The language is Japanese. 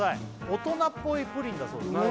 大人っぽいプリンだそうですね